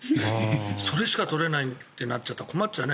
それしか取れないってなったら困っちゃうな。